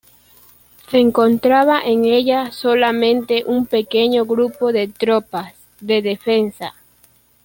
Se encontraba en ella solamente un pequeño grupo de tropas de defensa.